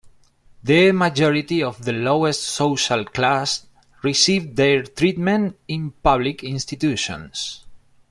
The majority of the lowest social class received their treatment in public institutions.